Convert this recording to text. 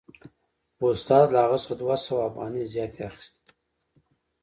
خو استاد له هغه څخه دوه سوه افغانۍ زیاتې اخیستې